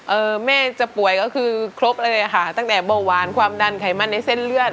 แม่จะป่วยก็คือครบเลยค่ะตั้งแต่เบาหวานความดันไขมันในเส้นเลือด